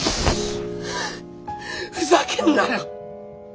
ふざけんなよ！